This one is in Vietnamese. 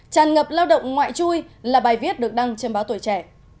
tràn ngập lao động ngoại chui là bài viết được đăng trên báo tuổi trẻ